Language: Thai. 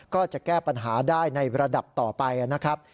ก็จะแก้ปัญหาได้ในระดับต่อไปนะครับ